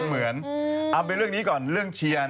เหมือนเอาไปเรื่องนี้ก่อนเรื่องเชียร์